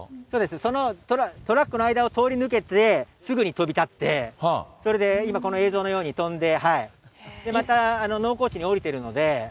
そのトラックの間を通り抜けて、すぐに飛び立って、それで今、この映像のように飛んで、また農耕地に降りているので。